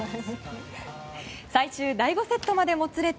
最終第５セットまでもつれた